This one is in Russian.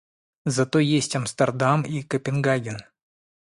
Зато есть Амстердам и Копенгаген